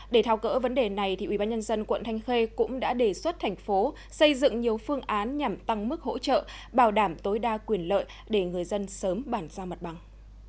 để thao cỡ vấn đề này ubnd quận thanh khê cũng đã đề xuất thành phố xây dựng nhiều phương án nhằm tăng mức hỗ trợ bảo đảm tối đa quyền lợi để người dân sớm bản ra mặt bằng